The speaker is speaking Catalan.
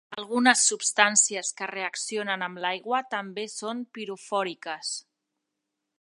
Algunes substàncies que reaccionen amb l'aigua també són pirofòriques.